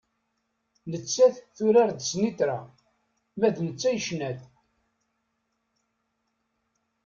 Nettat turar-d snitra, ma d netta yecna-d.